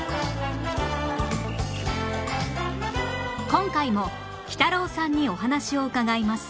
今回もきたろうさんにお話を伺います